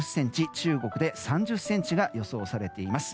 中国で３０ｃｍが予想されています。